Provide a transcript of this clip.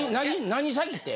何詐欺って？